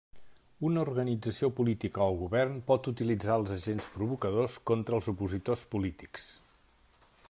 Una organització política o govern pot utilitzar els agents provocadors contra els opositors polítics.